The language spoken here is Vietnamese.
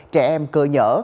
trẻ em cơ nhở